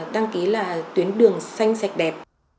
đăng ký tuyến đường xanh sạch đẹp